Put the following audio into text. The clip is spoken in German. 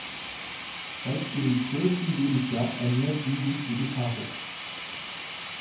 Seit ihrem zwölften Lebensjahr ernährt sie sich vegetarisch.